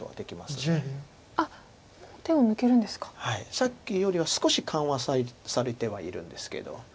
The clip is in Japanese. さっきよりは少し緩和されてはいるんですけど。